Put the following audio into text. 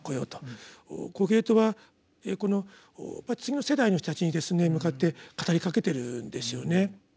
コヘレトはこの次の世代の人たちに向かって語りかけてるんですよね。